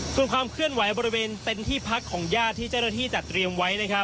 ส่วนความเคลื่อนไหวบริเวณเต็นต์ที่พักของญาติที่เจ้าหน้าที่จัดเตรียมไว้